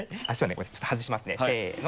これちょっと外しますねせの。